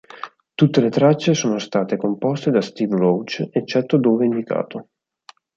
Tutte le tracce sono state composte da Steve Roach eccetto dove indicato.